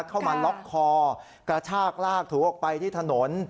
เข้ามาล็อกคอกระชากลากถูออกไปที่ถนน